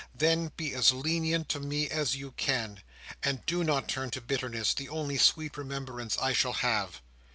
Then, be as lenient to me as you can, and do not turn to bitterness the only sweet remembrance I shall have."